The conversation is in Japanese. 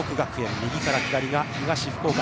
右から左が東福岡。